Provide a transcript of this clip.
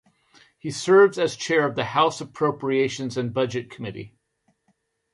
He serves as chair of the House Appropriations and Budget Committee.